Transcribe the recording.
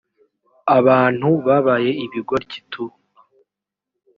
abantu babaye ibigoryi tu